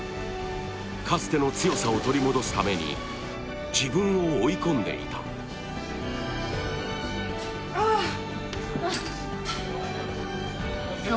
かつての強さを取り戻すために自分を追い込んでいたいや